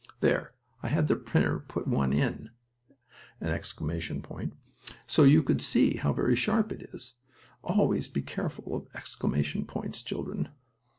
There, I had the printer put one in (!) so you could see how very sharp it is. Always be careful of exclamation points, children.